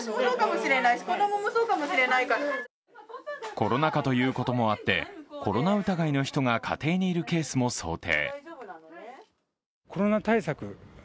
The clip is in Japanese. コロナ禍ということもあってコロナ疑いの人が家庭にいるケースも想定。